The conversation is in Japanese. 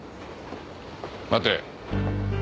待て。